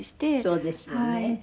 そうですよね。